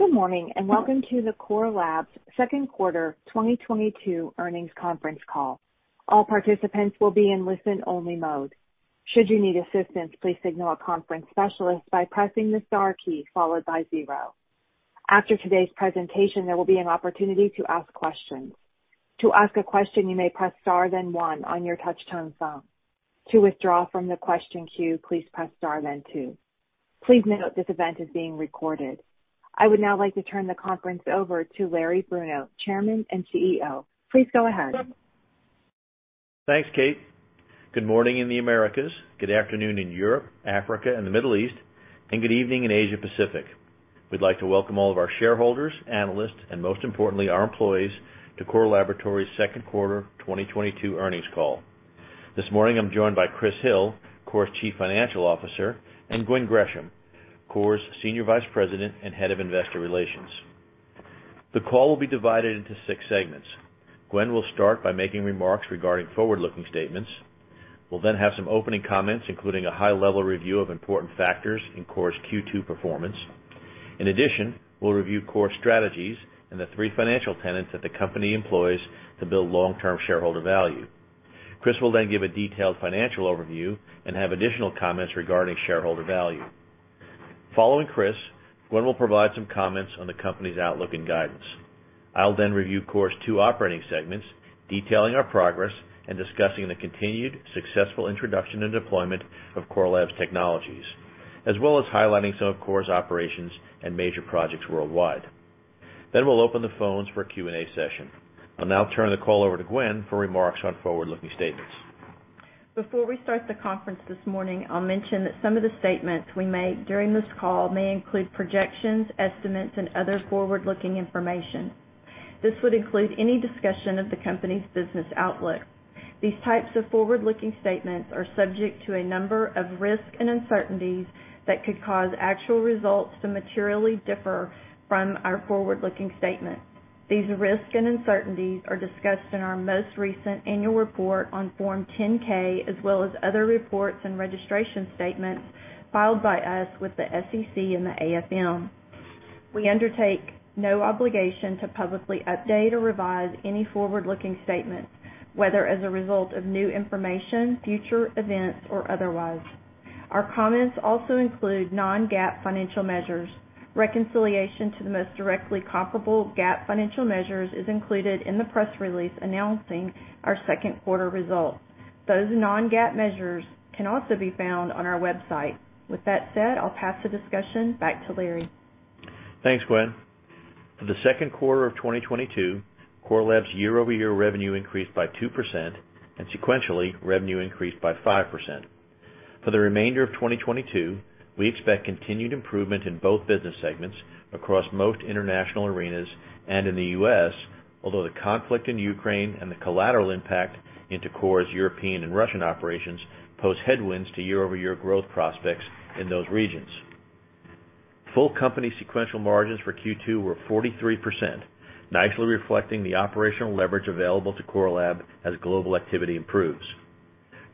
Good morning, and welcome to the Core Labs second quarter 2022 earnings conference call. All participants will be in listen-only mode. Should you need assistance, please signal a conference specialist by pressing the star key followed by zero. After today's presentation, there will be an opportunity to ask questions. To ask a question, you may press star then one on your touch-tone phone. To withdraw from the question queue, please press star then two. Please note this event is being recorded. I would now like to turn the conference over to Larry Bruno, Chairman and CEO. Please go ahead. Thanks, Kate. Good morning in the Americas. Good afternoon in Europe, Africa and the Middle East. Good evening in Asia Pacific. We'd like to welcome all of our shareholders, analysts, and most importantly, our employees to Core Laboratories' second quarter 2022 earnings call. This morning, I'm joined by Chris Hill, Core's Chief Financial Officer, and Gwen Gresham, Core's Senior Vice President and Head of Investor Relations. The call will be divided into six segments. Gwen will start by making remarks regarding forward-looking statements. We'll then have some opening comments, including a high-level review of important factors in Core's Q2 performance. In addition, we'll review Core's strategies and the three financial tenets that the company employs to build long-term shareholder value. Chris will then give a detailed financial overview and have additional comments regarding shareholder value. Following Chris, Gwen will provide some comments on the company's outlook and guidance. I'll then review Core's two operating segments, detailing our progress and discussing the continued successful introduction and deployment of Core Lab's technologies, as well as highlighting some of Core's operations and major projects worldwide. We'll open the phones for a Q&A session. I'll now turn the call over to Gwen for remarks on forward-looking statements. Before we start the conference this morning, I'll mention that some of the statements we make during this call may include projections, estimates, and other forward-looking information. This would include any discussion of the company's business outlook. These types of forward-looking statements are subject to a number of risks and uncertainties that could cause actual results to materially differ from our forward-looking statements. These risks and uncertainties are discussed in our most recent annual report on Form 10-K, as well as other reports and registration statements filed by us with the SEC and the AFM. We undertake no obligation to publicly update or revise any forward-looking statements, whether as a result of new information, future events, or otherwise. Our comments also include non-GAAP financial measures. Reconciliation to the most directly comparable GAAP financial measures is included in the press release announcing our second quarter results. Those non-GAAP measures can also be found on our website. With that said, I'll pass the discussion back to Larry. Thanks, Gwen. For the second quarter of 2022, Core Lab's year-over-year revenue increased by 2%, and sequentially, revenue increased by 5%. For the remainder of 2022, we expect continued improvement in both business segments across most international arenas and in the U.S., although the conflict in Ukraine and the collateral impact into Core's European and Russian operations pose headwinds to year-over-year growth prospects in those regions. Full company sequential margins for Q2 were 43%, nicely reflecting the operational leverage available to Core Lab as global activity improves.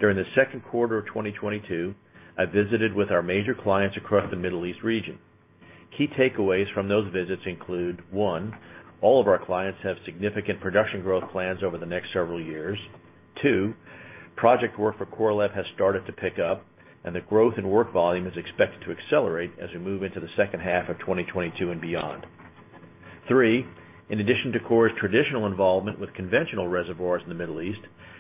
During the second quarter of 2022, I visited with our major clients across the Middle East region. Key takeaways from those visits include, one, all of our clients have significant production growth plans over the next several years. Two, project work for Core Lab has started to pick up, and the growth in work volume is expected to accelerate as we move into the second half of 2022 and beyond. Three, in addition to Core's traditional involvement with conventional reservoirs in the Middle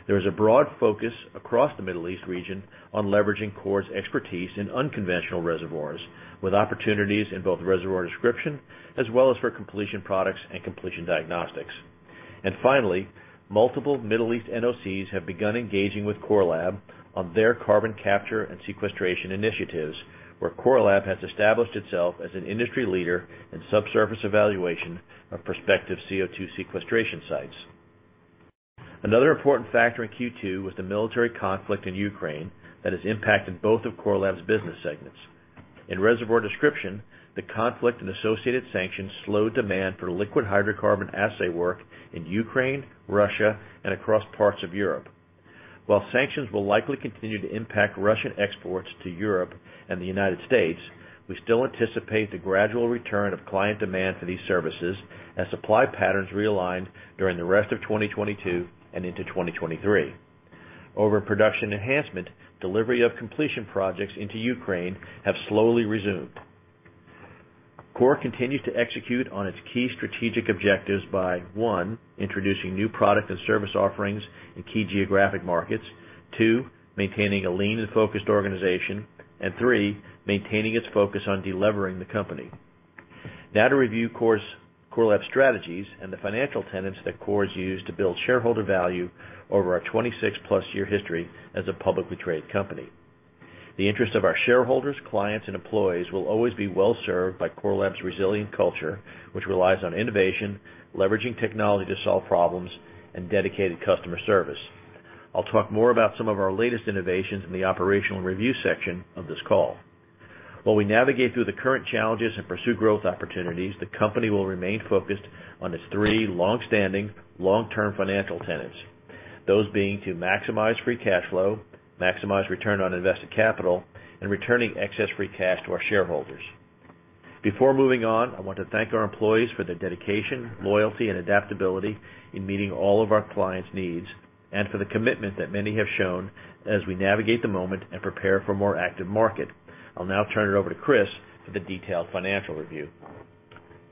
East, there is a broad focus across the Middle East region on leveraging Core's expertise in unconventional reservoirs, with opportunities in both reservoir description as well as for completion products and completion diagnostics. Finally, multiple Middle East NOCs have begun engaging with Core Lab on their carbon capture and sequestration initiatives, where Core Lab has established itself as an industry leader in subsurface evaluation of prospective CO2 sequestration sites. Another important factor in Q2 was the military conflict in Ukraine that has impacted both of Core Lab's business segments. In Reservoir Description, the conflict and associated sanctions slowed demand for liquid hydrocarbon assay work in Ukraine, Russia, and across parts of Europe. While sanctions will likely continue to impact Russian exports to Europe and the United States, we still anticipate the gradual return of client demand for these services as supply patterns realign during the rest of 2022 and into 2023. In Production Enhancement, delivery of completion projects into Ukraine have slowly resumed. Core Lab continued to execute on its key strategic objectives by, one, introducing new product and service offerings in key geographic markets. Two, maintaining a lean and focused organization. Three, maintaining its focus on de-levering the company. Now to review Core Lab's strategies and the financial tenets that Core has used to build shareholder value over our 26+ year history as a publicly traded company. The interest of our shareholders, clients and employees will always be well-served by Core Lab's resilient culture, which relies on innovation, leveraging technology to solve problems and dedicated customer service. I'll talk more about some of our latest innovations in the operational review section of this call. While we navigate through the current challenges and pursue growth opportunities, the company will remain focused on its three long-standing, long-term financial tenets. Those being to maximize free cash flow, maximize return on invested capital, and returning excess free cash to our shareholders. Before moving on, I want to thank our employees for their dedication, loyalty, and adaptability in meeting all of our clients' needs, and for the commitment that many have shown as we navigate the moment and prepare for a more active market. I'll now turn it over to Chris for the detailed financial review.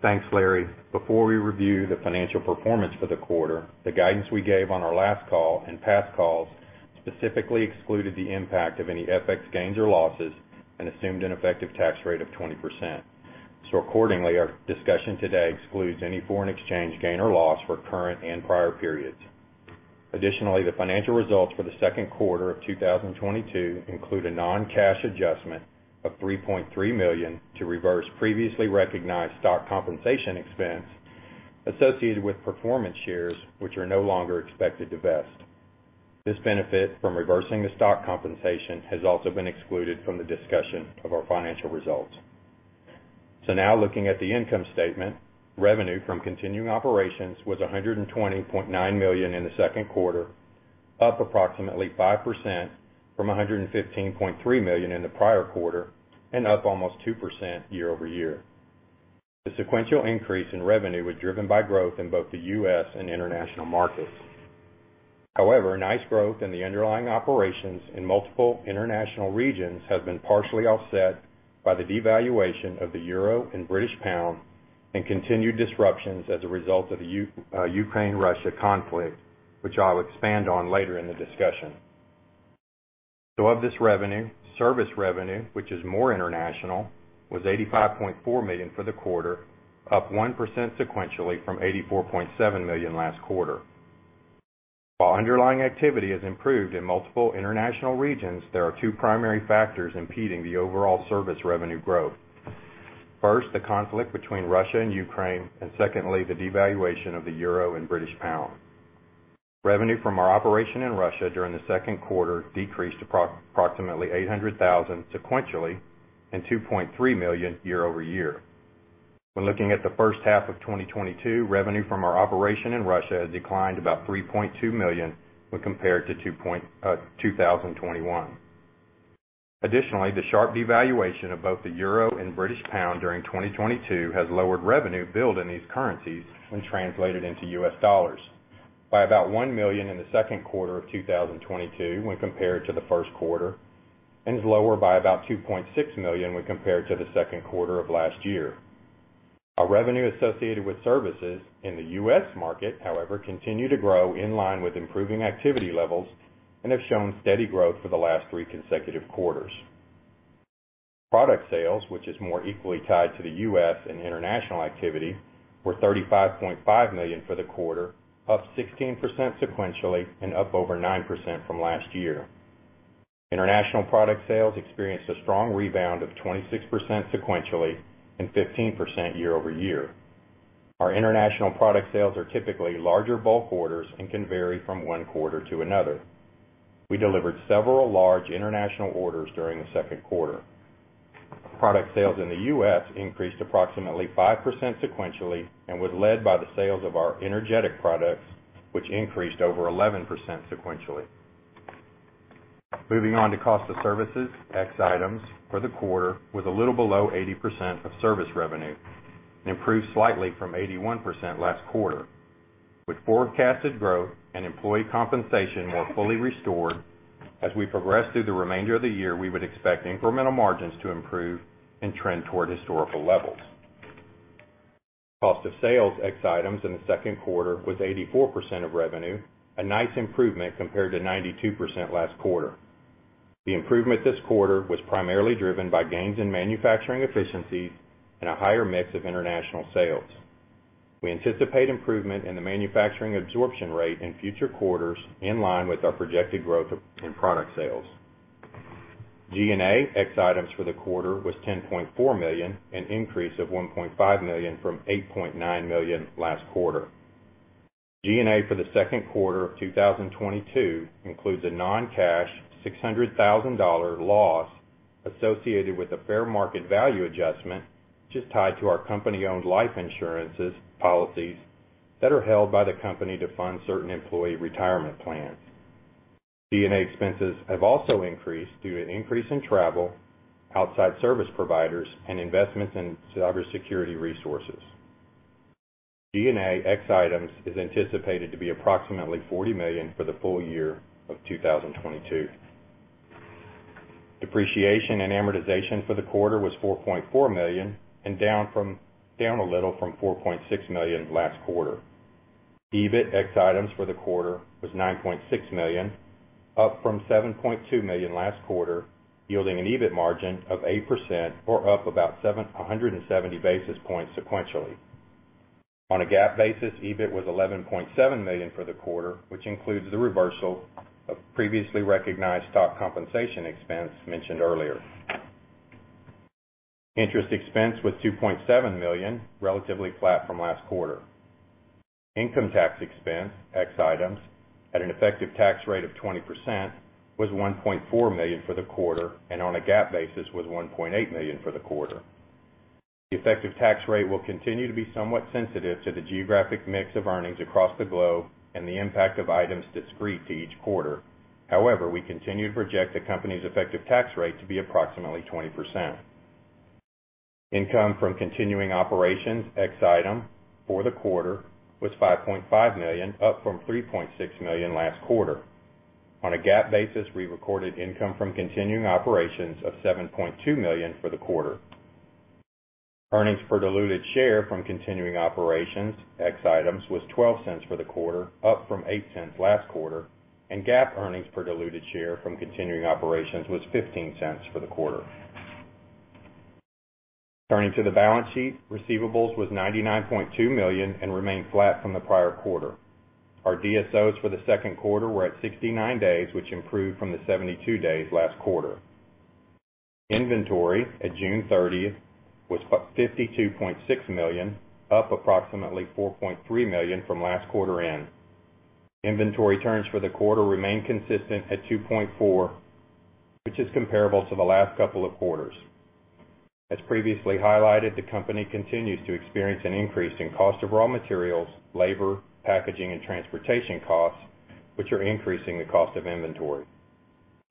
Thanks, Larry. Before we review the financial performance for the quarter, the guidance we gave on our last call and past calls specifically excluded the impact of any FX gains or losses and assumed an effective tax rate of 20%. Accordingly, our discussion today excludes any foreign exchange gain or loss for current and prior periods. Additionally, the financial results for the second quarter of 2022 include a non-cash adjustment of $3.3 million to reverse previously recognized stock compensation expense associated with performance shares, which are no longer expected to vest. This benefit from reversing the stock compensation has also been excluded from the discussion of our financial results. Now looking at the income statement, revenue from continuing operations was $120.9 million in the second quarter, up approximately 5% from $115.3 million in the prior quarter and up almost 2% year-over-year. The sequential increase in revenue was driven by growth in both the U.S. and international markets. However, nice growth in the underlying operations in multiple international regions has been partially offset by the devaluation of the euro and British pound and continued disruptions as a result of the Ukraine-Russia conflict, which I'll expand on later in the discussion. Of this revenue, service revenue, which is more international, was $85.4 million for the quarter, up 1% sequentially from $84.7 million last quarter. While underlying activity has improved in multiple international regions, there are two primary factors impeding the overall service revenue growth. First, the conflict between Russia and Ukraine, and secondly, the devaluation of the euro and British pound. Revenue from our operation in Russia during the second quarter decreased approximately $800,000 sequentially and $2.3 million year-over-year. When looking at the first half of 2022, revenue from our operation in Russia declined about $3.2 million when compared to 2021. The sharp devaluation of both the euro and British pound during 2022 has lowered revenue billed in these currencies when translated into U.S. dollars by about $1 million in the second quarter of 2022 when compared to the first quarter, and is lower by about $2.6 million when compared to the second quarter of last year. Our revenue associated with services in the U.S. market, however, continue to grow in line with improving activity levels and have shown steady growth for the last three consecutive quarters. Product sales, which is more equally tied to the U.S. and international activity, were $35.5 million for the quarter, up 16% sequentially and up over 9% from last year. International product sales experienced a strong rebound of 26% sequentially and 15% year-over-year. Our international product sales are typically larger bulk orders and can vary from one quarter to another. We delivered several large international orders during the second quarter. Product sales in the U.S. increased approximately 5% sequentially and was led by the sales of our energetic products, which increased over 11% sequentially. Moving on to cost of services, ex items for the quarter was a little below 80% of service revenue and improved slightly from 81% last quarter. With forecasted growth and employee compensation more fully restored, as we progress through the remainder of the year, we would expect incremental margins to improve and trend toward historical levels. Cost of sales, ex items in the second quarter was 84% of revenue, a nice improvement compared to 92% last quarter. The improvement this quarter was primarily driven by gains in manufacturing efficiencies and a higher mix of international sales. We anticipate improvement in the manufacturing absorption rate in future quarters in line with our projected growth in product sales. G&A, ex items for the quarter was $10.4 million, an increase of $1.5 million from $8.9 million last quarter. G&A for the second quarter of 2022 includes a non-cash $600,000 loss associated with the fair market value adjustment, which is tied to our company-owned life insurance policies that are held by the company to fund certain employee retirement plans. G&A expenses have also increased due to an increase in travel, outside service providers, and investments in cybersecurity resources. G&A, ex items is anticipated to be approximately $40 million for the full year of 2022. Depreciation and amortization for the quarter was $4.4 million and down a little from $4.6 million last quarter. EBIT, ex items for the quarter was $9.6 million, up from $7.2 million last quarter, yielding an EBIT margin of 8% or up about 170 basis points sequentially. On a GAAP basis, EBIT was $11.7 million for the quarter, which includes the reversal of previously recognized stock compensation expense mentioned earlier. Interest expense was $2.7 million, relatively flat from last quarter. Income tax expense, ex items, at an effective tax rate of 20% was $1.4 million for the quarter, and on a GAAP basis was $1.8 million for the quarter. The effective tax rate will continue to be somewhat sensitive to the geographic mix of earnings across the globe and the impact of discrete items to each quarter. However, we continue to project the company's effective tax rate to be approximately 20%. Income from continuing operations ex item for the quarter was $5.5 million, up from $3.6 million last quarter. On a GAAP basis, we recorded income from continuing operations of $7.2 million for the quarter. Earnings per diluted share from continuing operations ex items was $0.12 for the quarter, up from $0.08 last quarter, and GAAP earnings per diluted share from continuing operations was $0.15 for the quarter. Turning to the balance sheet, receivables was $99.2 million and remained flat from the prior quarter. Our DSOs for the second quarter were at 69 days, which improved from the 72 days last quarter. Inventory at June 30 was $52.6 million, up approximately $4.3 million from last quarter end. Inventory turns for the quarter remained consistent at 2.4, which is comparable to the last couple of quarters. As previously highlighted, the company continues to experience an increase in cost of raw materials, labor, packaging, and transportation costs, which are increasing the cost of inventory.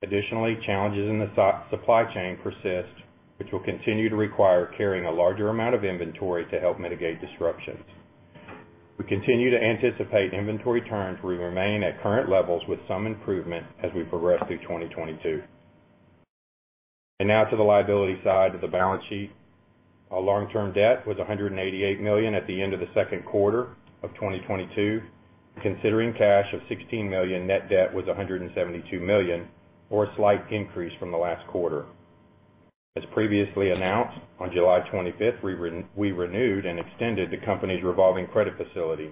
Additionally, challenges in the supply chain persist, which will continue to require carrying a larger amount of inventory to help mitigate disruptions. We continue to anticipate inventory turns will remain at current levels with some improvement as we progress through 2022. Now to the liability side of the balance sheet. Our long-term debt was $188 million at the end of the second quarter of 2022. Considering cash of $16 million, net debt was $172 million, or a slight increase from the last quarter. As previously announced, on July 25th, we renewed and extended the company's revolving credit facility.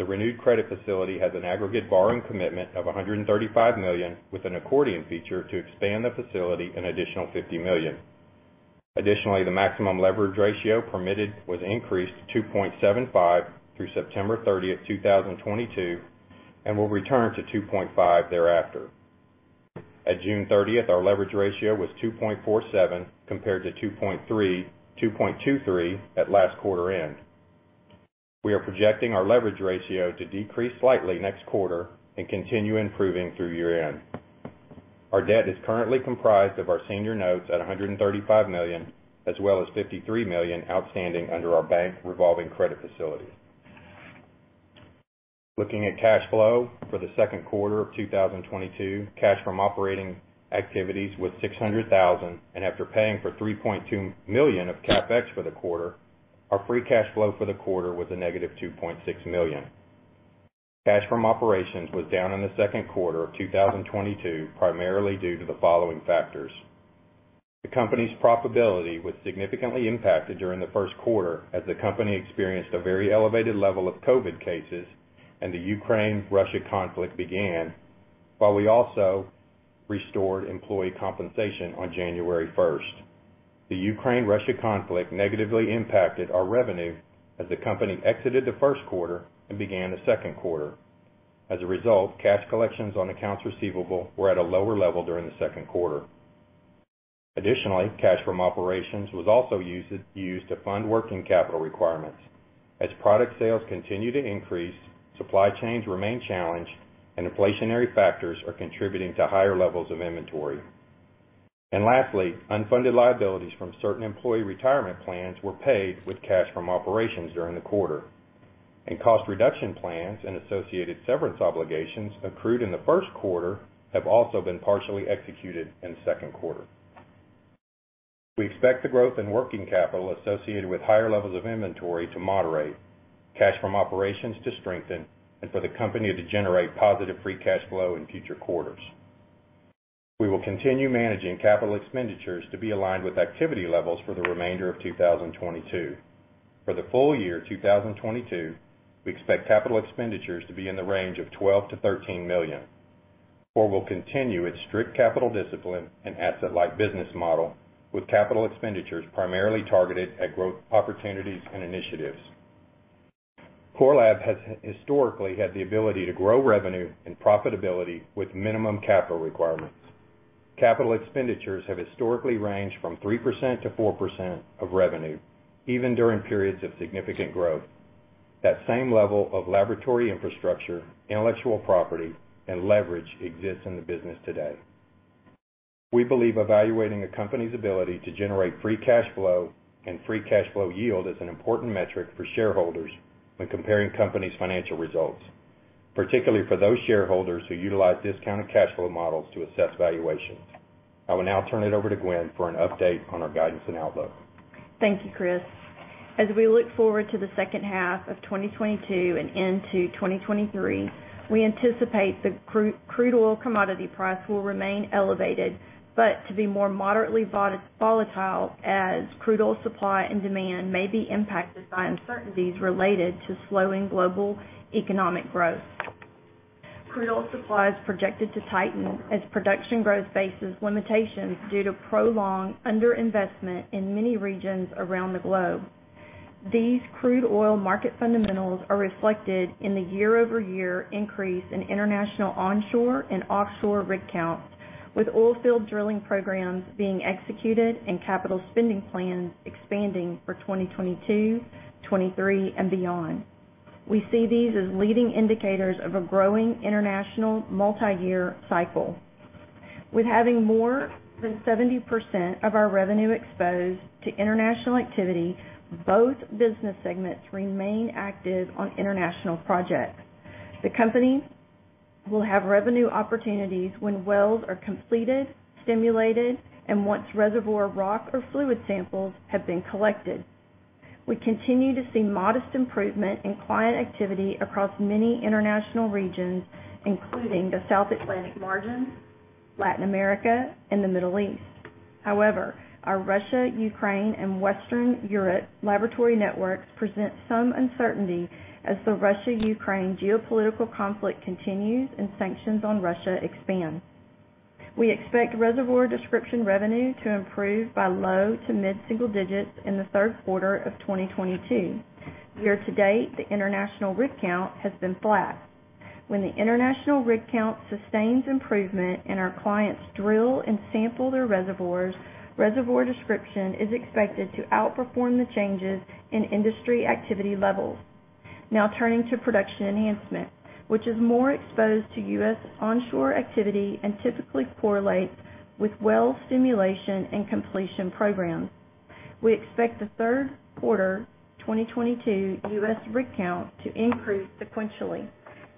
The renewed credit facility has an aggregate borrowing commitment of $135 million, with an accordion feature to expand the facility an additional $50 million. Additionally, the maximum leverage ratio permitted was increased to 2.75 through September 30th, 2022, and will return to 2.5 thereafter. At June 30th, our leverage ratio was 2.47, compared to 2.23 at last quarter end. We are projecting our leverage ratio to decrease slightly next quarter and continue improving through year-end. Our debt is currently comprised of our senior notes at $135 million as well as $53 million outstanding under our bank revolving credit facility. Looking at cash flow for the second quarter of 2022, cash from operating activities was $600,000. After paying for $3.2 million of CapEx for the quarter, our free cash flow for the quarter was -$2.6 million. Cash from operations was down in the second quarter of 2022, primarily due to the following factors. The company's profitability was significantly impacted during the first quarter as the company experienced a very elevated level of COVID cases and the Ukraine-Russia conflict began, while we also restored employee compensation on January 1st. The Ukraine-Russia conflict negatively impacted our revenue as the company exited the first quarter and began the second quarter. As a result, cash collections on accounts receivable were at a lower level during the second quarter. Additionally, cash from operations was also used to fund working capital requirements. As product sales continue to increase, supply chains remain challenged, and inflationary factors are contributing to higher levels of inventory. Lastly, unfunded liabilities from certain employee retirement plans were paid with cash from operations during the quarter. Cost reduction plans and associated severance obligations accrued in the first quarter have also been partially executed in the second quarter. We expect the growth in working capital associated with higher levels of inventory to moderate, cash from operations to strengthen, and for the company to generate positive free cash flow in future quarters. We will continue managing capital expenditures to be aligned with activity levels for the remainder of 2022. For the full year 2022, we expect capital expenditures to be in the range of $12 million-$13 million. Core Lab will continue its strict capital discipline and asset-light business model, with capital expenditures primarily targeted at growth opportunities and initiatives. Core Lab has historically had the ability to grow revenue and profitability with minimum capital requirements. Capital expenditures have historically ranged from 3%-4% of revenue, even during periods of significant growth. That same level of laboratory infrastructure, intellectual property, and leverage exists in the business today. We believe evaluating a company's ability to generate free cash flow and free cash flow yield is an important metric for shareholders when comparing companies' financial results, particularly for those shareholders who utilize discounted cash flow models to assess valuations. I will now turn it over to Gwen for an update on our guidance and outlook. Thank you, Chris. As we look forward to the second half of 2022 and into 2023, we anticipate the crude oil commodity price will remain elevated, but to be more moderately volatile as crude oil supply and demand may be impacted by uncertainties related to slowing global economic growth. Crude oil supply is projected to tighten as production growth faces limitations due to prolonged underinvestment in many regions around the globe. These crude oil market fundamentals are reflected in the year-over-year increase in international onshore and offshore rig count, with oil field drilling programs being executed and capital spending plans expanding for 2022, 2023 and beyond. We see these as leading indicators of a growing international multi-year cycle. With having more than 70% of our revenue exposed to international activity, both business segments remain active on international projects. The company will have revenue opportunities when wells are completed, stimulated, and once reservoir rock or fluid samples have been collected. We continue to see modest improvement in client activity across many international regions, including the South Atlantic margin, Latin America and the Middle East. However, our Russia, Ukraine and Western Europe laboratory networks present some uncertainty as the Russia-Ukraine geopolitical conflict continues and sanctions on Russia expand. We expect Reservoir Description revenue to improve by low to mid-single digits in the third quarter of 2022. Year to date, the international rig count has been flat. When the international rig count sustains improvement and our clients drill and sample their reservoirs, Reservoir Description is expected to outperform the changes in industry activity levels. Now turning to Production Enhancement, which is more exposed to U.S. onshore activity and typically correlates with well stimulation and completion programs. We expect the third quarter 2022 U.S. rig count to increase sequentially.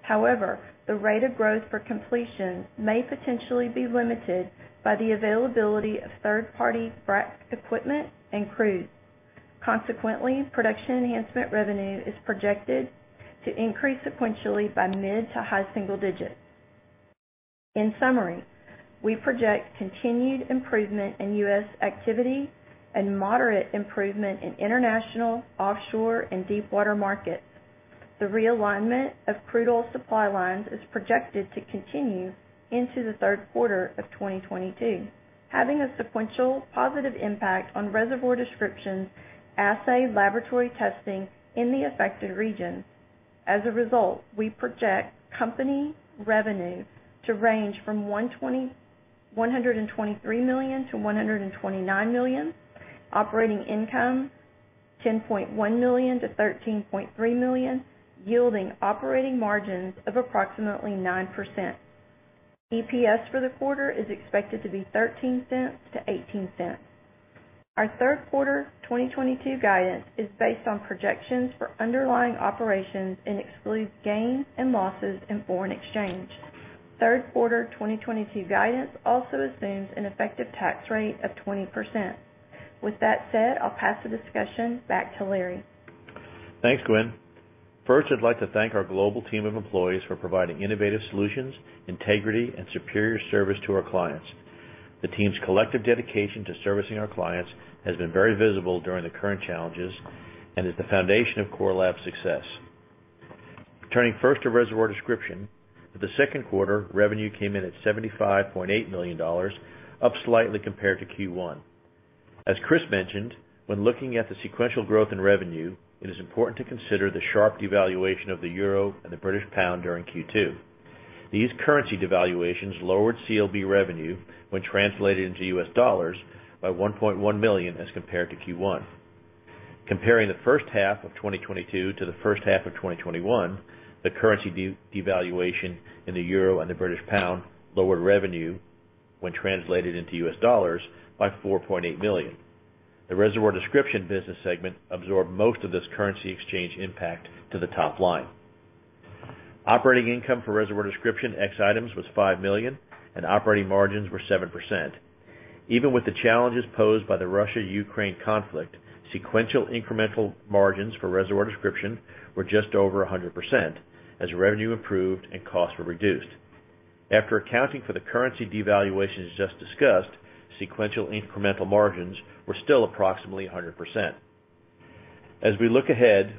However, the rate of growth for completion may potentially be limited by the availability of third-party frack equipment and crews. Consequently, Production Enhancement revenue is projected to increase sequentially by mid to high-single digits. In summary, we project continued improvement in U.S. Activity and moderate improvement in international, offshore and deepwater markets. The realignment of crude oil supply lines is projected to continue into the third quarter of 2022, having a sequential positive impact on Reservoir Description, assay laboratory testing in the affected regions. As a result, we project company revenue to range from $123 million-$129 million. Operating income, $10.1 million-$13.3 million, yielding operating margins of approximately 9%. EPS for the quarter is expected to be $0.13-$0.18. Our third quarter 2022 guidance is based on projections for underlying operations and excludes gains and losses in foreign exchange. Third quarter 2022 guidance also assumes an effective tax rate of 20%. With that said, I'll pass the discussion back to Larry. Thanks, Gwen. First, I'd like to thank our global team of employees for providing innovative solutions, integrity and superior service to our clients. The team's collective dedication to servicing our clients has been very visible during the current challenges and is the foundation of Core Lab's success. Turning first to Reservoir Description. For the second quarter, revenue came in at $75.8 million, up slightly compared to Q1. As Chris mentioned, when looking at the sequential growth in revenue, it is important to consider the sharp devaluation of the euro and the British pound during Q2. These currency devaluations lowered CLB revenue when translated into U.S. dollars by $1.1 million as compared to Q1. Comparing the first half of 2022 to the first half of 2021, the currency devaluation in the euro and the British pound lowered revenue when translated into U.S. dollars by $4.8 million. The Reservoir Description business segment absorbed most of this currency exchange impact to the top line. Operating income for Reservoir Description ex items was $5 million, and operating margins were 7%. Even with the challenges posed by the Russia-Ukraine conflict, sequential incremental margins for Reservoir Description were just over 100% as revenue improved and costs were reduced. After accounting for the currency devaluations just discussed, sequential incremental margins were still approximately 100%. As we look ahead,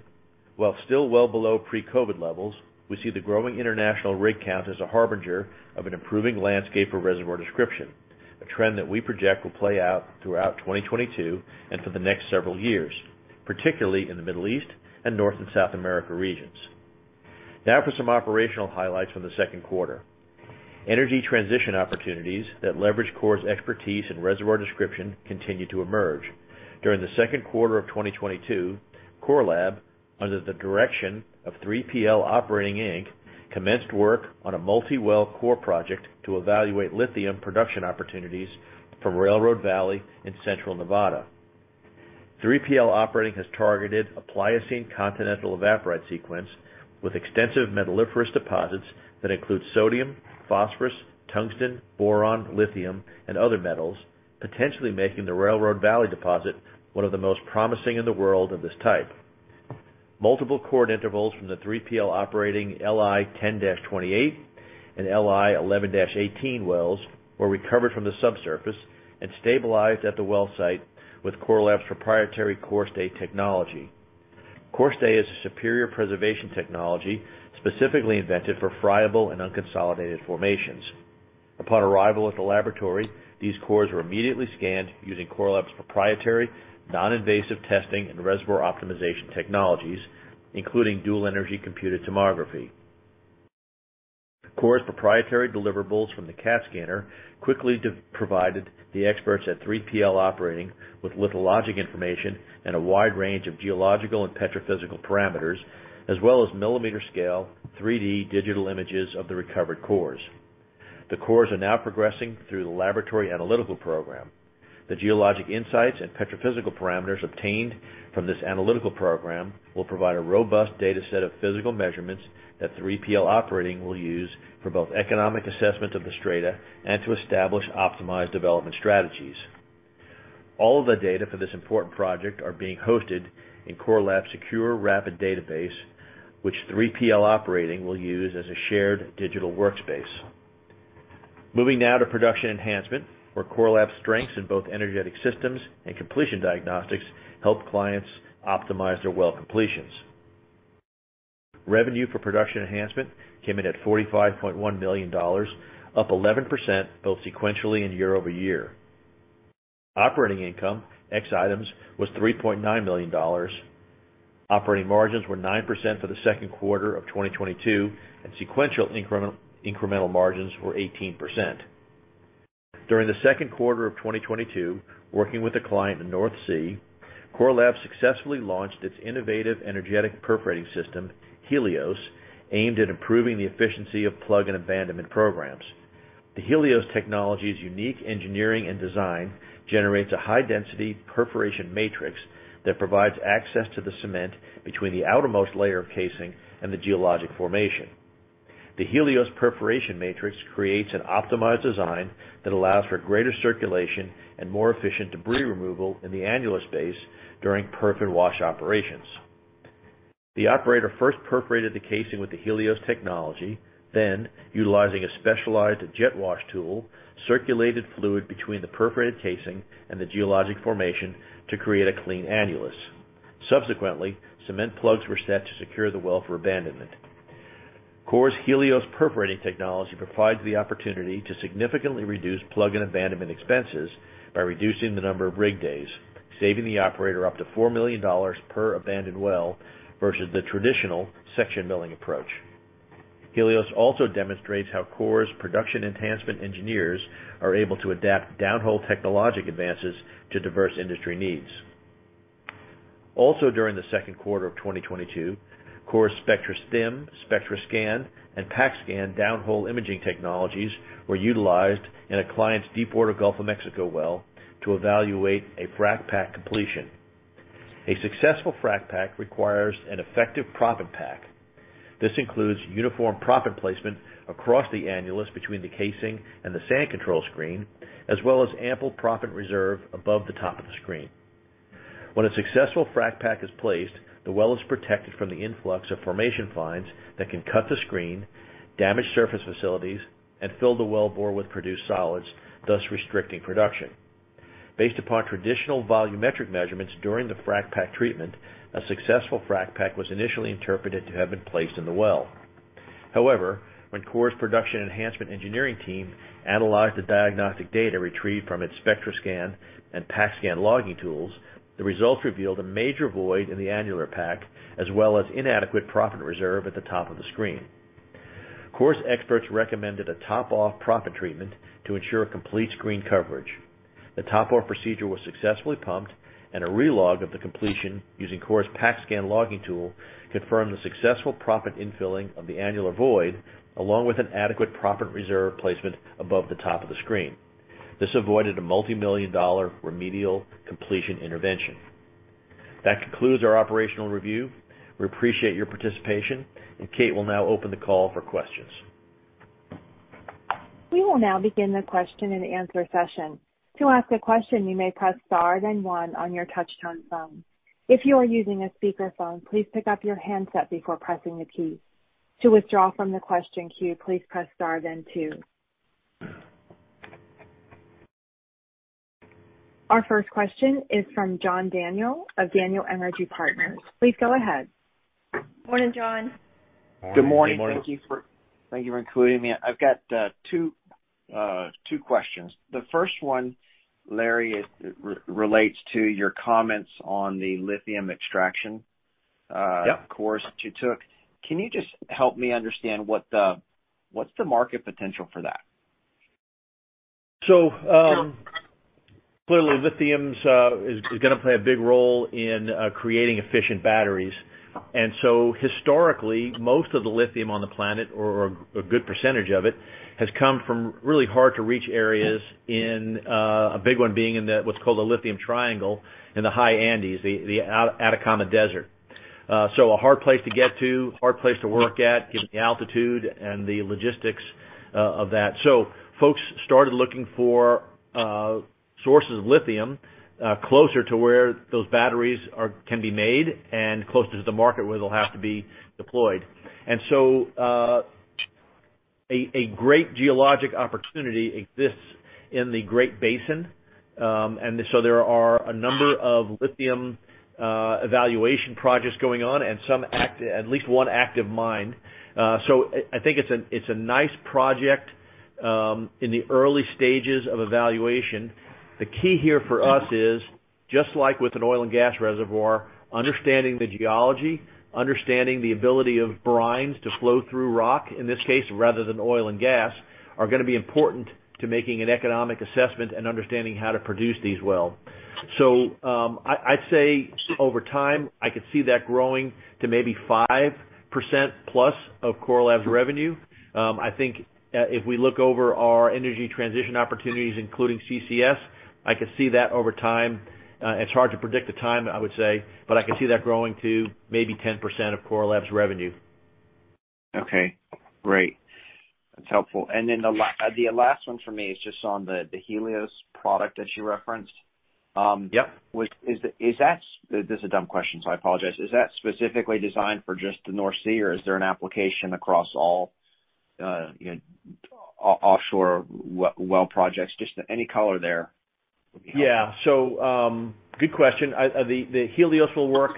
while still well below pre-COVID levels, we see the growing international rig count as a harbinger of an improving landscape for Reservoir Description, a trend that we project will play out throughout 2022 and for the next several years, particularly in the Middle East and North and South America regions. Now for some operational highlights from the second quarter. Energy transition opportunities that leverage Core's expertise in Reservoir Description continue to emerge. During the second quarter of 2022, Core Lab, under the direction of 3PL Operating Inc, commenced work on a multi-well core project to evaluate lithium production opportunities from Railroad Valley in central Nevada. 3PL Operating has targeted a Pliocene continental evaporite sequence with extensive metalliferous deposits that include sodium, phosphorus, tungsten, boron, lithium, and other metals, potentially making the Railroad Valley deposit one of the most promising in the world of this type. Multiple cored intervals from the 3PL Operating LI 10-28 and LI 11-18 wells were recovered from the subsurface and stabilized at the well site with Core Lab's proprietary CoreSta technology. CoreSta is a superior preservation technology specifically invented for friable and unconsolidated formations. Upon arrival at the laboratory, these cores were immediately scanned using Core Lab's proprietary non-invasive testing and reservoir optimization technologies, including dual-energy computed tomography. Core's proprietary deliverables from the CT scanner quickly provided the experts at 3PL Operating with lithologic information and a wide range of geological and petrophysical parameters, as well as millimeter-scale 3D digital images of the recovered cores. The cores are now progressing through the laboratory analytical program. The geologic insights and petrophysical parameters obtained from this analytical program will provide a robust data set of physical measurements that 3PL Operating will use for both economic assessment of the strata and to establish optimized development strategies. All of the data for this important project are being hosted in Core Lab's secure, RAPID database, which 3PL Operating will use as a shared digital workspace. Moving now to Production Enhancement, where Core Lab's strengths in both energetic systems and completion diagnostics help clients optimize their well completions. Revenue for Production Enhancement came in at $45.1 million, up 11% both sequentially and year-over-year. Operating income, ex items, was $3.9 million. Operating margins were 9% for the second quarter of 2022, and sequential incremental margins were 18%. During the second quarter of 2022, working with a client in North Sea, Core Lab successfully launched its innovative energetic perforating system, HELIOS, aimed at improving the efficiency of plug and abandonment programs. The HELIOS technology's unique engineering and design generates a high density perforation matrix that provides access to the cement between the outermost layer of casing and the geologic formation. The HELIOS perforation matrix creates an optimized design that allows for greater circulation and more efficient debris removal in the annular space during perf and wash operations. The operator first perforated the casing with the HELIOS technology, then, utilizing a specialized jet wash tool, circulated fluid between the perforated casing and the geologic formation to create a clean annulus. Subsequently, cement plugs were set to secure the well for abandonment. Core's HELIOS perforating technology provides the opportunity to significantly reduce plug and abandonment expenses by reducing the number of rig days, saving the operator up to $4 million per abandoned well versus the traditional section milling approach. HELIOS also demonstrates how Core's production enhancement engineers are able to adapt downhole technological advances to diverse industry needs. Also during the second quarter of 2022, Core's SPECTRASTIM, SPECTRASCAN, and PACKSCAN downhole imaging technologies were utilized in a client's deepwater Gulf of Mexico well to evaluate a Frac-pack completion. A successful Frac-pack requires an effective proppant pack. This includes uniform proppant placement across the annulus between the casing and the sand control screen, as well as ample proppant reserve above the top of the screen. When a successful Frac-pack is placed, the well is protected from the influx of formation fines that can cut the screen, damage surface facilities, and fill the wellbore with produced solids, thus restricting production. Based upon traditional volumetric measurements during the Frac-pack treatment, a successful Frac-pack was initially interpreted to have been placed in the well. However, when Core's Production Enhancement engineering team analyzed the diagnostic data retrieved from its SPECTRASCAN and PACKSCAN logging tools, the results revealed a major void in the annular pack, as well as inadequate proppant reserve at the top of the screen. Core's experts recommended a top-off proppant treatment to ensure complete screen coverage. The top-off procedure was successfully pumped, and a re-log of the completion using Core's PACKSCAN logging tool confirmed the successful proppant infilling of the annular void, along with an adequate proppant reserve placement above the top of the screen. This avoided a multi-million-dollar remedial completion intervention. That concludes our operational review. We appreciate your participation, and Kate will now open the call for questions. We will now begin the question and answer session. To ask a question, you may press star then one on your touch-tone phone. If you are using a speakerphone, please pick up your handset before pressing the key. To withdraw from the question queue, please press star then two. Our first question is from John Daniel of Daniel Energy Partners. Please go ahead. Morning, John. Good morning. Good morning. Thank you for including me. I've got two questions. The first one, Larry, relates to your comments on the lithium extraction. Yep Course that you took. Can you just help me understand what's the market potential for that? Clearly, lithium is gonna play a big role in creating efficient batteries. Historically, most of the lithium on the planet or a good percentage of it has come from really hard to reach areas, a big one being in what's called the Lithium Triangle in the high Andes, the Atacama Desert. A hard place to get to, hard place to work at, given the altitude and the logistics of that. Folks started looking for sources of lithium closer to where those batteries can be made and closer to the market where they'll have to be deployed. A great geologic opportunity exists in the Great Basin, and there are a number of lithium exploration projects going on and some, at least one active mine. I think it's a nice project in the early stages of evaluation. The key here for us is just like with an oil and gas reservoir, understanding the geology, understanding the ability of brines to flow through rock, in this case, rather than oil and gas, are gonna be important to making an economic assessment and understanding how to produce these wells. I'd say over time I could see that growing to maybe 5% plus of Core Lab's revenue. I think if we look over our energy transition opportunities, including CCS, I could see that over time. It's hard to predict the time, I would say, but I could see that growing to maybe 10% of Core Lab's revenue. Okay. Great. That's helpful. The last one for me is just on the HELIOS product that you referenced. Yep. This is a dumb question, so I apologize. Is that specifically designed for just the North Sea, or is there an application across all, you know, offshore well projects? Just any color there would be helpful. Yeah. Good question. The HELIOS will work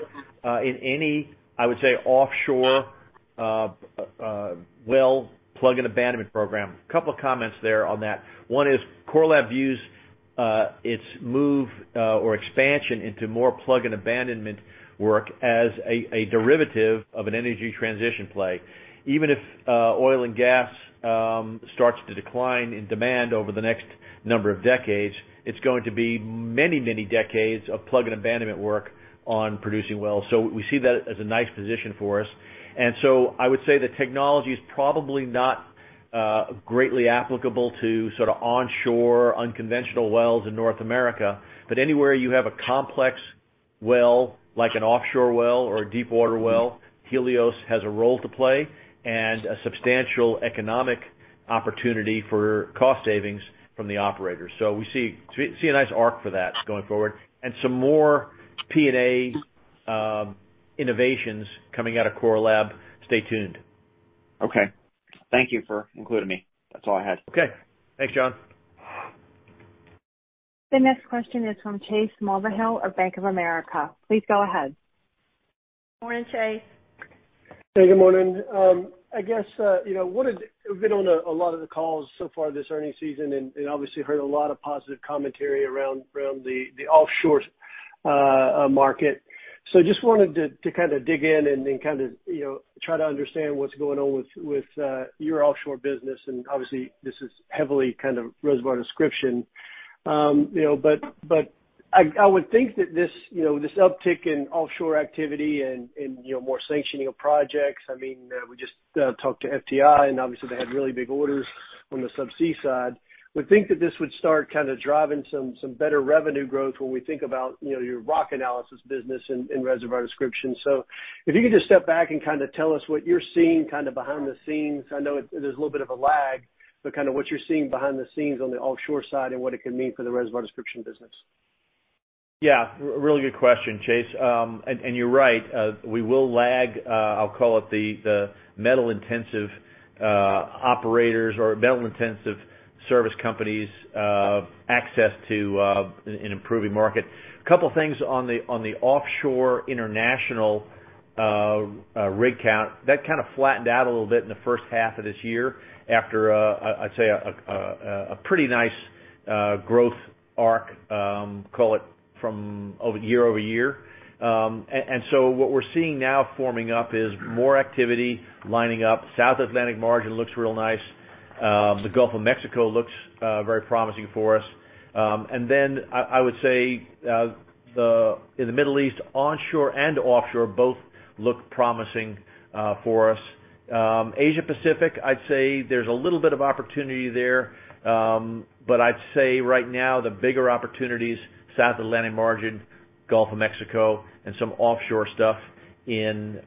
in any, I would say, offshore well plug and abandonment program. Couple comments there on that. One is, Core Lab views its move or expansion into more plug and abandonment work as a derivative of an energy transition play. Even if oil and gas starts to decline in demand over the next number of decades, it's going to be many decades of plug and abandonment work on producing wells. We see that as a nice position for us. I would say the technology is probably not greatly applicable to sort of onshore unconventional wells in North America. Anywhere you have a complex well, like an offshore well or a deepwater well, HELIOS has a role to play and a substantial economic opportunity for cost savings from the operators. We see a nice arc for that going forward and some more P&A innovations coming out of Core Lab. Stay tuned. Okay. Thank you for including me. That's all I had. Okay. Thanks, John. The next question is from Chase Mulvehill of Bank of America. Please go ahead. Morning, Chase. Hey, good morning. I guess, you know, I've been on a lot of the calls so far this earnings season and obviously heard a lot of positive commentary around, from the offshore market. So just wanted to kinda dig in and then kind of, you know, try to understand what's going on with your offshore business. Obviously, this is heavily kind of Reservoir Description. You know, but I would think that this, you know, this uptick in offshore activity and, you know, more sanctioning of projects, I mean, we just talked to FTI, and obviously they had really big orders on the subsea side. Would think that this would start kinda driving some better revenue growth when we think about, you know, your rock analysis business in Reservoir Description. If you could just step back and kinda tell us what you're seeing kinda behind the scenes. I know there's a little bit of a lag, but kinda what you're seeing behind the scenes on the offshore side and what it could mean for the Reservoir Description business. Yeah. Really good question, Chase. You're right, we will lag. I'll call it the metal-intensive operators or metal-intensive service companies, access to an improving market. A couple things on the offshore international rig count. That kinda flattened out a little bit in the first half of this year after I'd say a pretty nice growth arc, call it year-over-year. What we're seeing now forming up is more activity lining up. South Atlantic margin looks real nice. The Gulf of Mexico looks very promising for us. I would say in the Middle East, onshore and offshore both look promising for us. Asia Pacific, I'd say there's a little bit of opportunity there, but I'd say right now the bigger opportunities, South Atlantic margin, Gulf of Mexico, and some offshore stuff in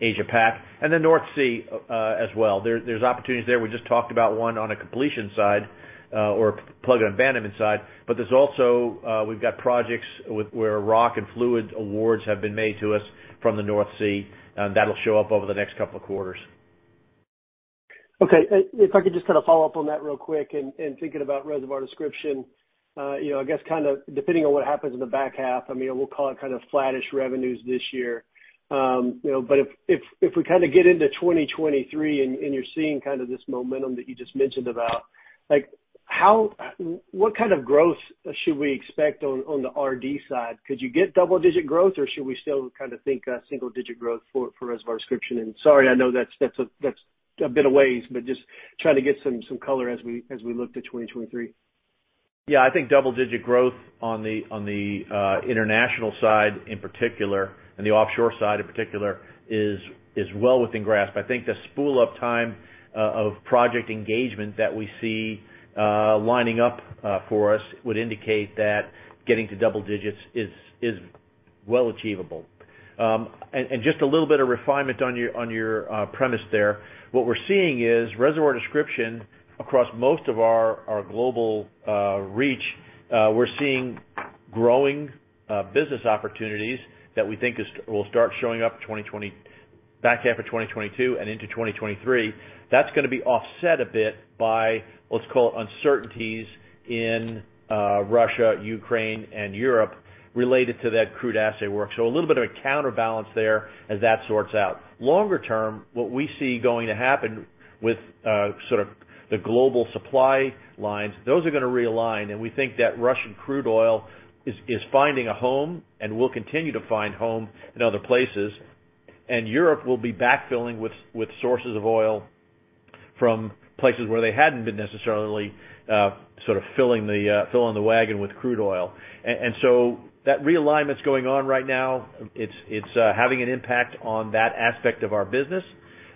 Asia Pac, and then North Sea, as well. There's opportunities there. We just talked about one on a completion side, or plug and abandonment side. There's also, we've got projects where rock and fluid awards have been made to us from the North Sea, and that'll show up over the next couple of quarters. Okay. If I could just kind of follow up on that real quick and thinking about Reservoir Description, you know, I guess kinda depending on what happens in the back half, I mean, we'll call it kinda flattish revenues this year. You know, but if we kinda get into 2023 and you're seeing kinda this momentum that you just mentioned about, like what kind of growth should we expect on the RD side? Could you get double-digit growth, or should we still kinda think single-digit growth for Reservoir Description? Sorry, I know that's a bit aways, but just trying to get some color as we look to 2023. Yeah. I think double-digit growth on the international side in particular, and the offshore side in particular is well within grasp. I think the full suite of project engagement that we see lining up for us would indicate that getting to double digits is well achievable. Just a little bit of refinement on your premise there. What we're seeing is Reservoir Description across most of our global reach. We're seeing growing business opportunities that we think will start showing up back half of 2022 and into 2023. That's gonna be offset a bit by, let's call it, uncertainties in Russia, Ukraine, and Europe related to that crude assay work. A little bit of a counterbalance there as that sorts out. Longer term, what we see going to happen with sort of the global supply lines, those are gonna realign, and we think that Russian crude oil is finding a home and will continue to find home in other places. Europe will be backfilling with sources of oil from places where they hadn't been necessarily sort of filling the wagon with crude oil. That realignment's going on right now. It's having an impact on that aspect of our business.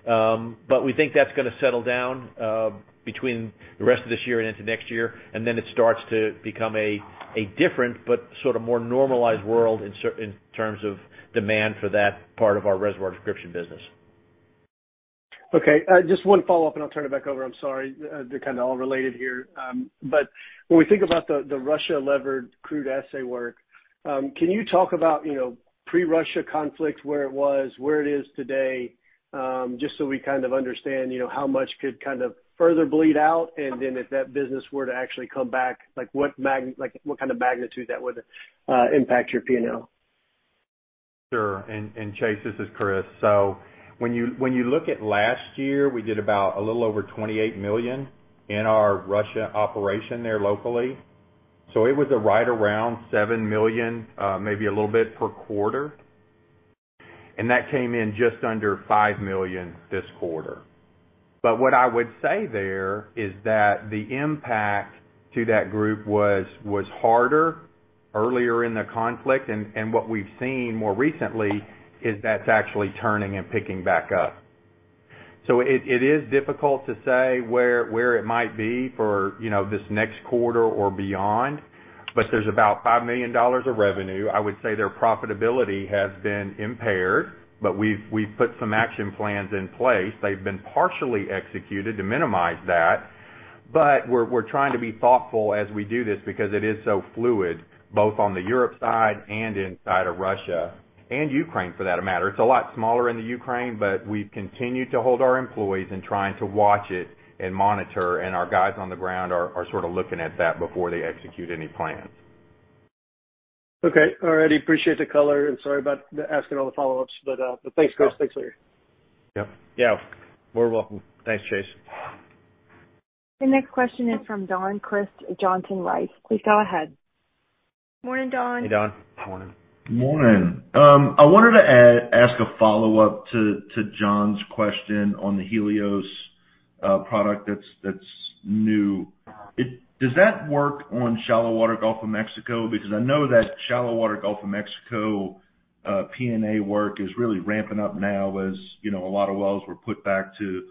We think that's gonna settle down between the rest of this year and into next year, and then it starts to become a different but sort of more normalized world in terms of demand for that part of our Reservoir Description business. Okay. Just one follow-up, and I'll turn it back over. I'm sorry, they're kinda all related here. When we think about the Russia-levered crude assay work, can you talk about, you know, pre-Russia conflict, where it was, where it is today, just so we kind of understand, you know, how much could kind of further bleed out? Then if that business were to actually come back, like what kind of magnitude that would impact your P&L? Sure. Chase, this is Chris. When you look at last year, we did about a little over $28 million in our Russia operation there locally. It was right around $7 million, maybe a little bit per quarter. That came in just under $5 million this quarter. What I would say there is that the impact to that group was harder earlier in the conflict. What we've seen more recently is that's actually turning and picking back up. It is difficult to say where it might be for, you know, this next quarter or beyond, but there's about $5 million of revenue. Their profitability has been impaired, but we've put some action plans in place. They've been partially executed to minimize that. We're trying to be thoughtful as we do this because it is so fluid, both on the Europe side and inside of Russia, and Ukraine for that matter. It's a lot smaller in the Ukraine, but we've continued to hold our employees in trying to watch it and monitor, and our guys on the ground are sorta looking at that before they execute any plans. Okay. All righty. Appreciate the color, and sorry about asking all the follow-ups. Thanks, Chris. Thanks, Larry. Yep. Yeah, you're welcome. Thanks, Chase. The next question is from Don Crist at Johnson Rice. Please go ahead. Morning, Don. Hey, Don. Morning. Morning. I wanted to ask a follow-up to John's question on the HELIOS product that's new. Does that work on shallow water Gulf of Mexico? Because I know that shallow water Gulf of Mexico P&A work is really ramping up now as, you know, a lot of wells were put back to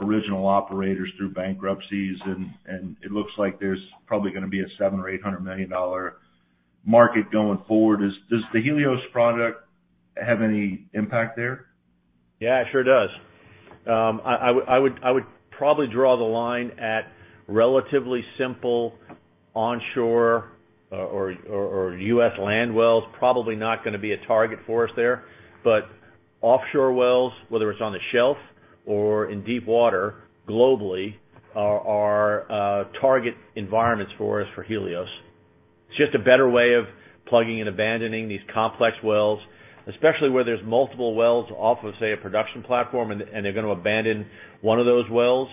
original operators through bankruptcies and it looks like there's probably gonna be a $700 million-$800 million market going forward. Does the HELIOS product have any impact there? Yeah, it sure does. I would probably draw the line at relatively simple onshore or U.S. land wells probably not gonna be a target for us there. Offshore wells, whether it's on the shelf or in deep water globally are target environments for us for HELIOS. It's just a better way of plugging and abandoning these complex wells, especially where there's multiple wells off of, say, a production platform and they're gonna abandon one of those wells.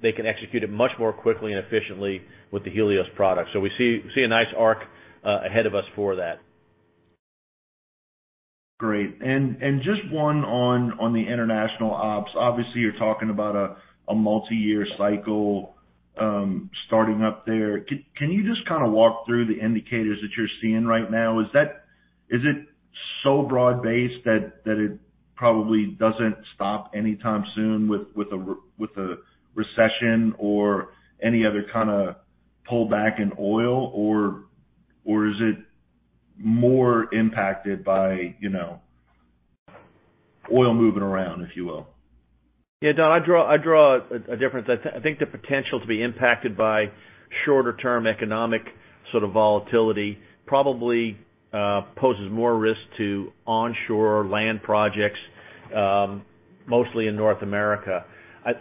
They can execute it much more quickly and efficiently with the HELIOS product. We see a nice arc ahead of us for that. Great. Just one on the international ops. Obviously, you're talking about a multiyear cycle starting up there. Can you just kinda walk through the indicators that you're seeing right now? Is it so broad-based that it probably doesn't stop anytime soon with a recession or any other kinda pullback in oil or is it more impacted by, you know, oil moving around, if you will? Yeah, Don, I draw a difference. I think the potential to be impacted by shorter-term economic sort of volatility probably poses more risk to onshore land projects, mostly in North America.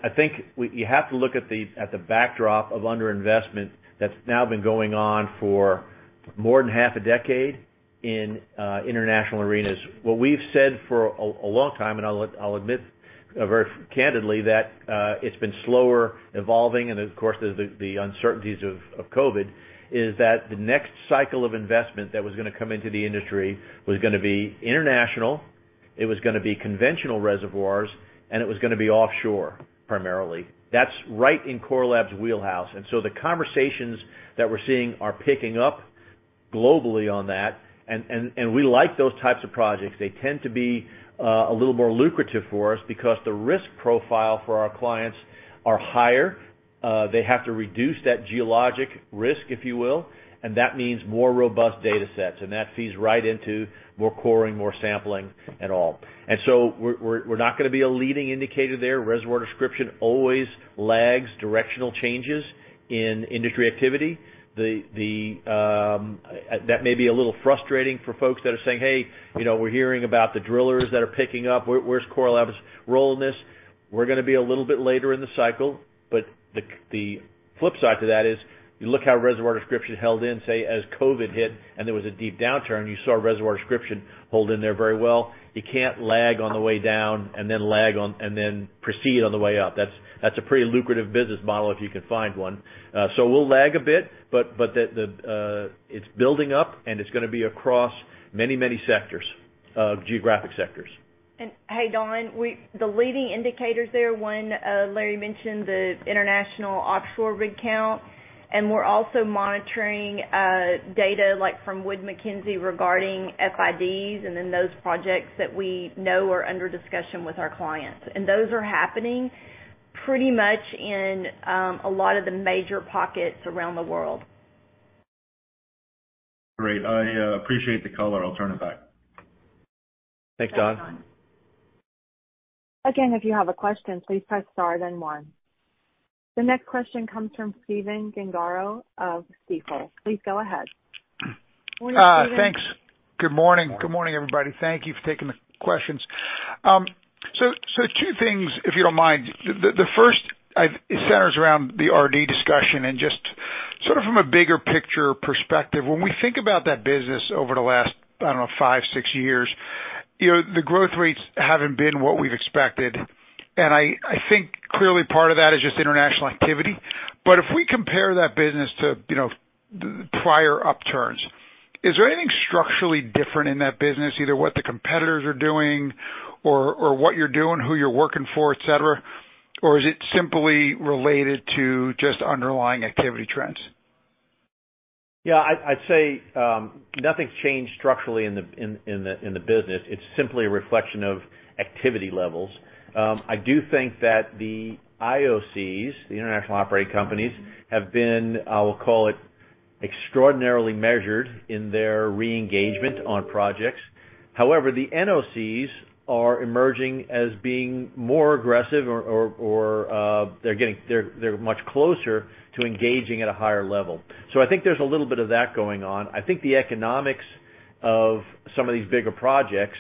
I think you have to look at the backdrop of underinvestment that's now been going on for more than half a decade in international arenas. What we've said for a long time, and I'll admit very candidly that it's been slower evolving and, of course, the uncertainties of COVID, is that the next cycle of investment that was gonna come into the industry was gonna be international, it was gonna be conventional reservoirs, and it was gonna be offshore, primarily. That's right in Core Lab's wheelhouse. The conversations that we're seeing are picking up globally on that. We like those types of projects. They tend to be a little more lucrative for us because the risk profile for our clients are higher. They have to reduce that geologic risk, if you will, and that means more robust data sets, and that feeds right into more coring, more sampling and all. We're not gonna be a leading indicator there. Reservoir Description always lags directional changes in industry activity. That may be a little frustrating for folks that are saying, "Hey, you know, we're hearing about the drillers that are picking up. Where's Core Lab's role in this? We're gonna be a little bit later in the cycle, but the flip side to that is you look how Reservoir Description held in, say, as COVID hit, and there was a deep downturn. You saw Reservoir Description hold in there very well. You can't lag on the way down and then lag on the way up. That's a pretty lucrative business model if you can find one. We'll lag a bit, but it's building up, and it's gonna be across many geographic sectors. Hey, Don, the leading indicators there, one, Larry mentioned the international offshore rig count, and we're also monitoring data like from Wood Mackenzie regarding FIDs and then those projects that we know are under discussion with our clients. Those are happening pretty much in a lot of the major pockets around the world. Great. I appreciate the color. I'll turn it back. Thanks, Don. Thanks, Don. Again, if you have a question, please press star then one. The next question comes from Stephen Gengaro of Stifel. Please go ahead. Morning, Stephen. Thanks. Good morning. Good morning, everybody. Thank you for taking the questions. Two things, if you don't mind. It centers around the RD discussion and just sort of from a bigger picture perspective. When we think about that business over the last, I don't know, five, six years, you know, the growth rates haven't been what we've expected. I think clearly part of that is just international activity. If we compare that business to, you know, the prior upturns, is there anything structurally different in that business, either what the competitors are doing or what you're doing, who you're working for, et cetera? Or is it simply related to just underlying activity trends? Yeah. I'd say nothing's changed structurally in the business. It's simply a reflection of activity levels. I do think that the IOCs, the International Oil Companies, have been, I will call it, extraordinarily measured in their re-engagement on projects. However, the NOCs are emerging as being more aggressive or they're much closer to engaging at a higher level. I think there's a little bit of that going on. I think the economics of some of these bigger projects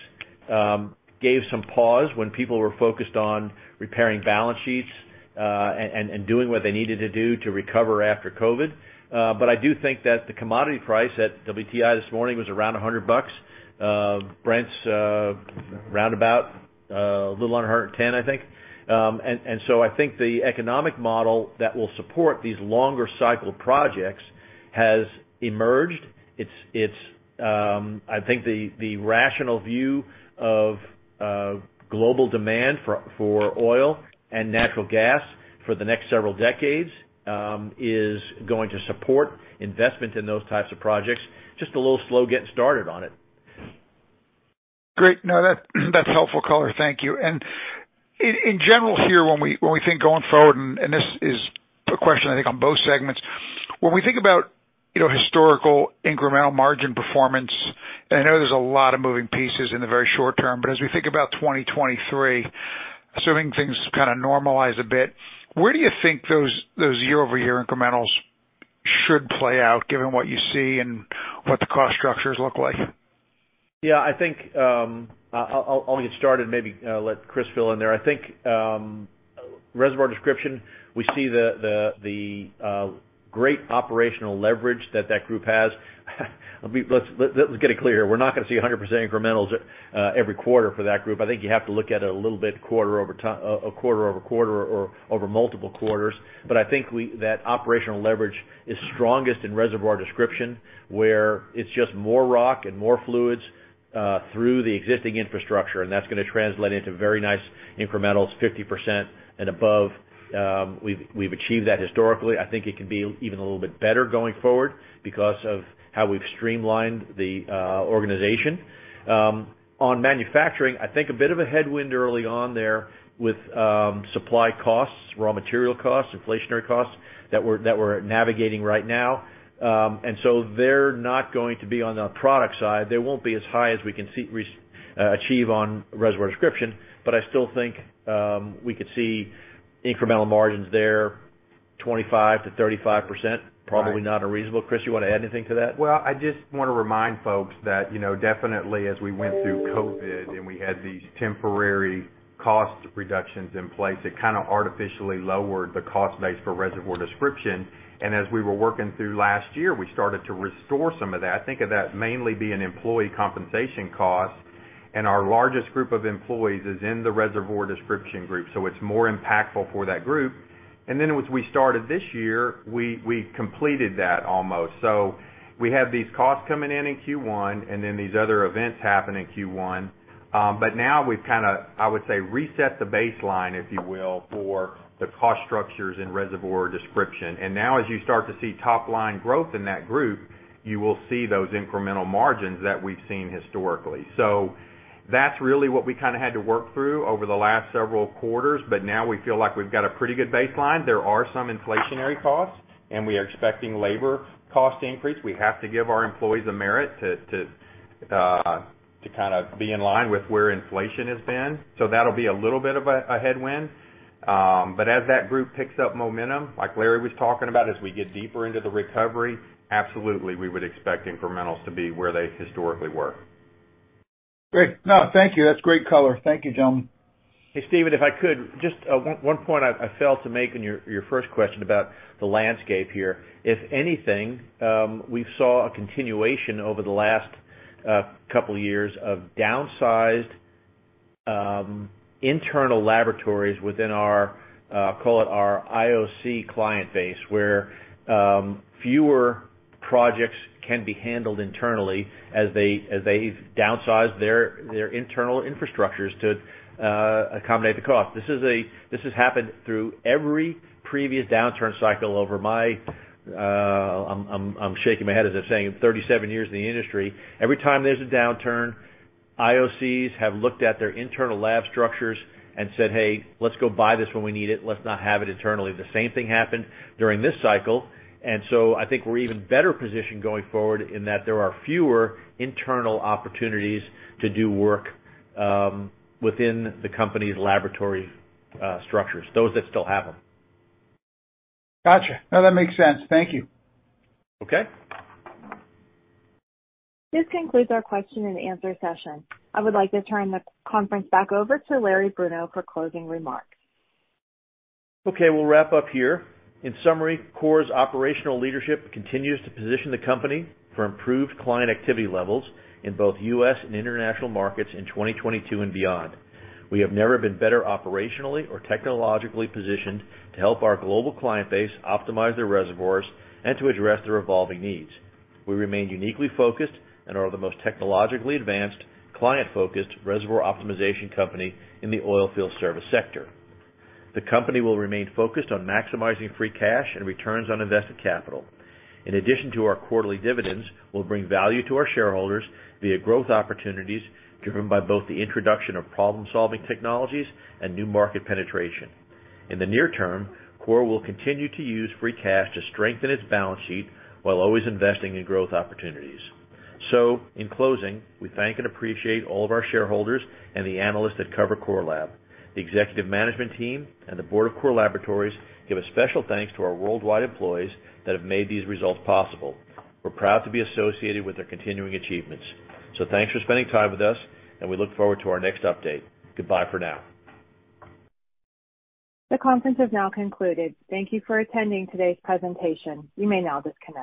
gave some pause when people were focused on repairing balance sheets and doing what they needed to do to recover after COVID. I do think that the commodity price at WTI this morning was around $100. Brent's roundabout a little under $110, I think. I think the economic model that will support these longer cycle projects has emerged. I think the rational view of global demand for oil and natural gas for the next several decades is going to support investment in those types of projects. Just a little slow getting started on it. Great. No. That's helpful color. Thank you. In general here, when we think going forward, and this is a question I think on both segments. When we think about, you know, historical incremental margin performance, and I know there's a lot of moving pieces in the very short term, but as we think about 2023, assuming things kinda normalize a bit, where do you think those year-over-year incrementals should play out given what you see and what the cost structures look like? Yeah. I think, I'll get started and maybe let Chris fill in there. I think, Reservoir Description, we see the great operational leverage that group has. Let's get it clear here. We're not gonna see 100% incrementals every quarter for that group. I think you have to look at it a little bit quarter-over-quarter or over multiple quarters. I think that operational leverage is strongest in Reservoir Description, where it's just more rock and more fluids through the existing infrastructure, and that's gonna translate into very nice incrementals, 50% and above. We've achieved that historically. I think it can be even a little bit better going forward because of how we've streamlined the organization. On manufacturing, I think a bit of a headwind early on there with supply costs, raw material costs, inflationary costs that we're navigating right now. They're not going to be on the product side. They won't be as high as we can achieve on Reservoir Description, but I still think we could see incremental margins there, 25%-35%, probably not unreasonable. Chris, you wanna add anything to that? Well, I just wanna remind folks that, you know, definitely as we went through COVID and we had these temporary cost reductions in place, it kinda artificially lowered the cost base for Reservoir Description. As we were working through last year, we started to restore some of that. Think of that mainly being employee compensation costs, and our largest group of employees is in the Reservoir Description group, so it's more impactful for that group. Then as we started this year, we completed that almost. We have these costs coming in in Q1 and then these other events happen in Q1. Now we've kinda, I would say, reset the baseline, if you will, for the cost structures in Reservoir Description. Now as you start to see top line growth in that group, you will see those incremental margins that we've seen historically. That's really what we kinda had to work through over the last several quarters, but now we feel like we've got a pretty good baseline. There are some inflationary costs, and we are expecting labor cost increase. We have to give our employees a merit to kind of be in line with where inflation has been. That'll be a little bit of a headwind. As that group picks up momentum, like Larry was talking about, as we get deeper into the recovery, absolutely, we would expect incrementals to be where they historically were. Great. No, thank you. That's great color. Thank you, gentlemen. Hey, Stephen, if I could, just one point I failed to make in your first question about the landscape here. If anything, we saw a continuation over the last couple years of downsized internal laboratories within our call it our IOC client base, where fewer projects can be handled internally as they've downsized their internal infrastructures to accommodate the cost. This has happened through every previous downturn cycle over my, I'm shaking my head as if saying, 37 years in the industry. Every time there's a downturn, IOCs have looked at their internal lab structures and said, "Hey, let's go buy this when we need it. Let's not have it internally." The same thing happened during this cycle. I think we're even better positioned going forward in that there are fewer internal opportunities to do work within the company's laboratory structures, those that still have them. Gotcha. No, that makes sense. Thank you. Okay. This concludes our question and answer session. I would like to turn the conference back over to Larry Bruno for closing remarks. Okay, we'll wrap up here. In summary, Core's operational leadership continues to position the company for improved client activity levels in both U.S. and international markets in 2022 and beyond. We have never been better operationally or technologically positioned to help our global client base optimize their reservoirs and to address their evolving needs. We remain uniquely focused and are the most technologically advanced, client-focused reservoir optimization company in the oilfield service sector. The company will remain focused on maximizing free cash and returns on invested capital. In addition to our quarterly dividends, we'll bring value to our shareholders via growth opportunities driven by both the introduction of problem-solving technologies and new market penetration. In the near term, Core will continue to use free cash to strengthen its balance sheet while always investing in growth opportunities. In closing, we thank and appreciate all of our shareholders and the analysts that cover Core Lab. The executive management team and the board of Core Laboratories give a special thanks to our worldwide employees that have made these results possible. We're proud to be associated with their continuing achievements. Thanks for spending time with us, and we look forward to our next update. Goodbye for now. The conference has now concluded. Thank you for attending today's presentation. You may now disconnect.